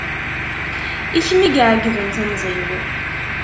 I kem i iɛegben temẓi-w.